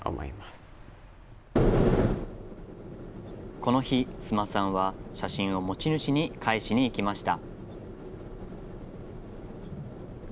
この日、須磨さんは写真を持ち主に返しに行きました。